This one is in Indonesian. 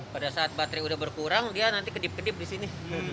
pada saat baterai udah berkurang dia nanti kedip kedip di sini